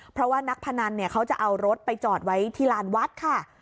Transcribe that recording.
เพราะว่านักพนันเนี่ยเขาจะเอารถไปจอดไว้ที่ลานวัดค่ะ